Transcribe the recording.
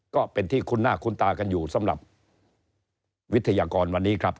ก็เป็นที่คุ้นหน้าคุ้นตากันอยู่สำหรับวิทยากรวันนี้ครับ